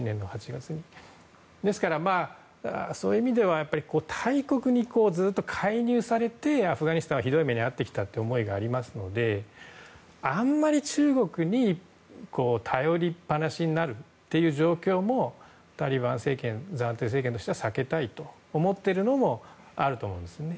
ですから、そういう意味では大国にずっと介入されてアフガニスタンはひどい目に遭ってきたという思いがありますのであまり中国に頼りっぱなしになる状況もタリバン暫定政権としては避けたいと思っているのもあると思うんですね。